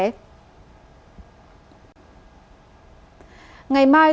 ngày mai tòa nhân dân huyện hồ chí minh đã đưa ra một bài hỏi về trách nhiệm chính về cái chết của cháu bé